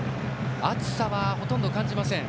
暑さはほとんど感じません。